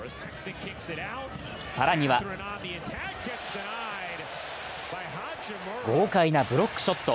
更には豪快なブロックショット。